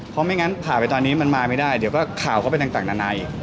เพราะไม่งั้นผ่าไปตอนนี้มันมาไม่ได้เดี๋ยวก็ข่าวก็เป็นต่างนานาอีก